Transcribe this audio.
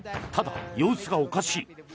ただ、様子がおかしい。